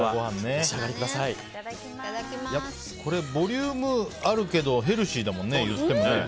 これボリュームあるけどヘルシーだもんね。